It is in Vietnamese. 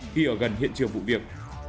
khi ở gần hiện trường vụ việc